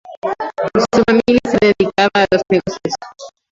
Su familia se dedicaba a los negocios.